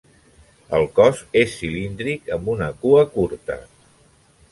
El cos és cilíndric amb una cua curta.